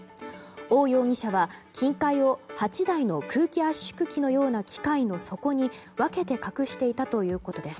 オウ容疑者は、金塊を８台の空気圧縮機のような機械の底に分けて隠していたということです。